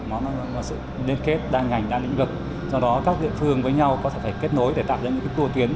nó là sự liên kết đa ngành đa lĩnh vực do đó các địa phương với nhau có thể phải kết nối để tạo ra những tour tuyến